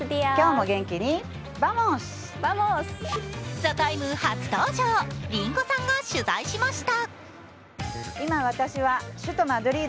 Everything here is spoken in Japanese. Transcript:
「ＴＨＥＴＩＭＥ，」初登場りんごさんが取材しました。